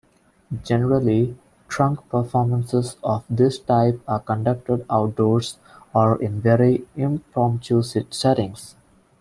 Generally, Trunk Performances of this type are conducted outdoors or in very impromptu settings.